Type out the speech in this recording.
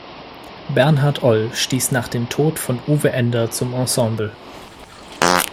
Bernhard Oll stieß nach dem Tod von Uwe Ender zum Ensemble.